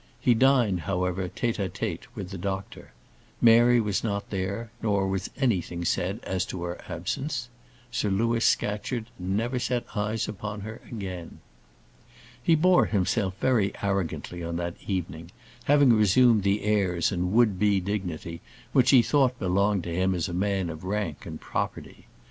He dined, however, tête à tête with the doctor. Mary was not there, nor was anything said as to her absence. Sir Louis Scatcherd never set eyes upon her again. He bore himself very arrogantly on that evening, having resumed the airs and would be dignity which he thought belonged to him as a man of rank and property.